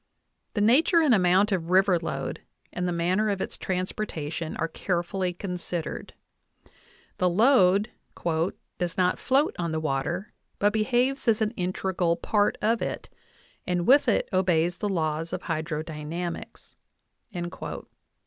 The nature and amount of river load and the manner of its transportation are carefully considered. The load "does not float on the water, but behaves as an integral part of it, and with ft obeys the laws of hydrodynamics" (Uinta, 184).